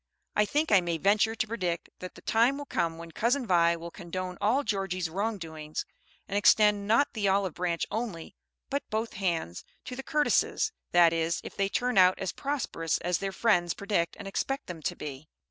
I think I may venture to predict that the time will come when Cousin Vi will condone all Georgie's wrong doings, and extend, not the olive branch only, but both hands, to "the Curtises," that is if they turn out as prosperous as their friends predict and expect them to be.